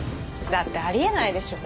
だってあり得ないでしょ。